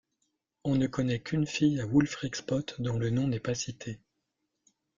On ne connaît qu'une fille à Wulfric Spot, dont le nom n'est pas cité.